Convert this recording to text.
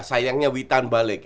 sayangnya witan balik